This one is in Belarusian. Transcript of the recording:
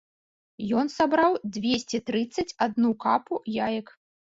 Ён сабраў дзвесце трыццаць адну капу яек.